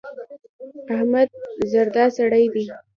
احمد زردا سړی دی.